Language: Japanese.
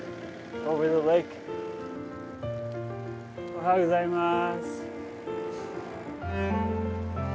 おはようございます。